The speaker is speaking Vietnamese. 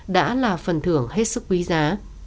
đã là phần thưởng hết sức quý giá